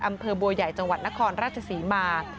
อำเภอบัวใหญ่จังหวัดนครราชศรีมา